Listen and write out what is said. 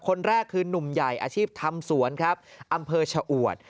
คนแรกคือนุ่มใหญ่อาชีพทำสวนครับอำเภอชะอวด